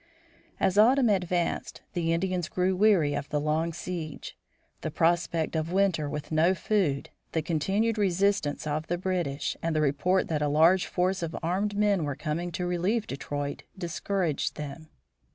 As autumn advanced the Indians grew weary of the long siege. The prospect of winter with no food, the continued resistance of the British, and the report that a large force of armed men was coming to relieve Detroit, discouraged them.